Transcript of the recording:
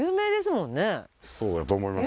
そうやと思います。